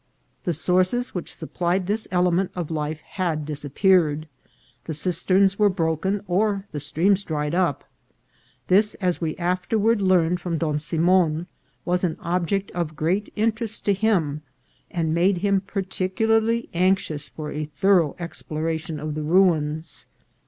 The sources which supplied this element of life had disappeared ; the cisterns were broken, or the streams dried up. This, as we afterward learned from Don Simon, was an object of great interest to him, and made him particularly anxious for a thorough ex* ploration of the ruins.